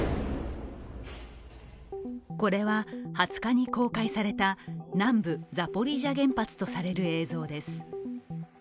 これは２０日に公開された南部・ザポリージャ原発とされる映像です。